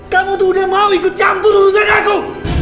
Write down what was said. kamu tuh udah mau ikut campur urusan aku